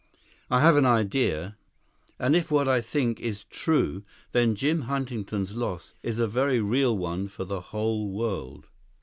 "I have an idea. And if what I think is true, then Jim Huntington's loss is a very real one for the whole world."